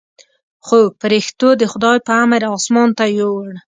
خو پرښتو د خداى په امر اسمان ته يووړ.